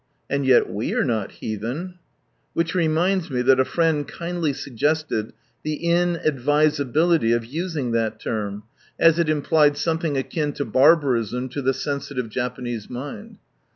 And yet we are not " heathen !" Which reminds me that a friend kindly suizgested the inadvisability of using that term, as it implied something akin lo barbarism to the sensitive Japanese mind.